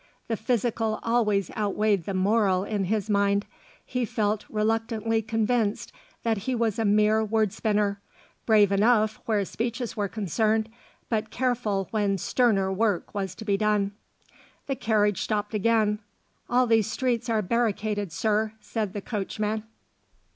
The physical always outweighed the moral in his mind. He felt reluctantly convinced that he was a mere word spinner, brave enough where speeches were concerned, but careful when sterner work was to be done. The carriage stopped again. "All these streets are barricaded, Sir," said the coach man.